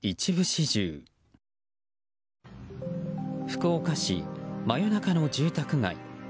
福岡市、真夜中の住宅街。